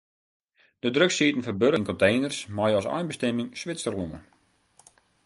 De drugs sieten ferburgen yn konteners mei as einbestimming Switserlân.